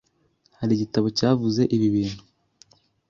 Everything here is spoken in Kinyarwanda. Hari igitabo cyavuze ibi bintu